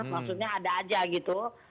maksudnya ada aja gitu